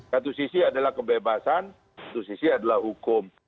satu sisi adalah kebebasan satu sisi adalah hukum